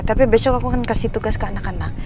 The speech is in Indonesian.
tapi besok aku akan kasih tugas ke anak anak